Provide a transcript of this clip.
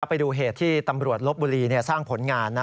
ไปดูเหตุที่ตำรวจลบบุรีสร้างผลงาน